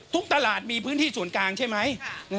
ทุกตลาดมีพื้นที่ศูนย์กลางใช่ไหม